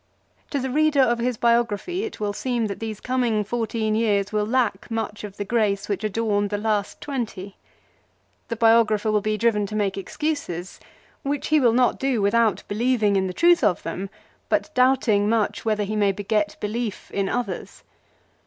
To the reader of his biography it will seem that these coming fourteen years will lack much of the grace which adorned the last twenty. The biographer will be driven to make excuses, which he will not do without believing in the truth of them, but doubting much whether he may beget belief in others.